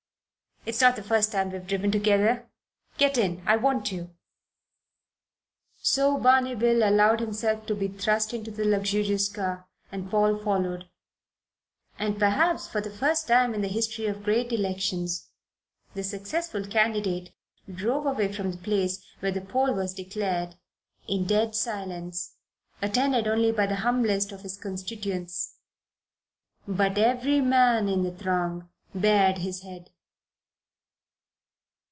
"It's not the first time we've driven together. Get in. I want you." So Barney Bill allowed himself to be thrust into the luxurious car, and Paul followed. And perhaps for the first time in the history of great elections the successful candidate drove away from the place where the poll was declared in dead silence, attended only by the humblest of his constituents. But every man in the throng bared his head.